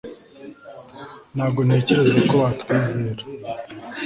ntabwo ntekereza ko batwizera